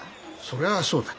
そりゃそうだ。